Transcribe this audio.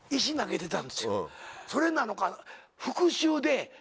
それなのか。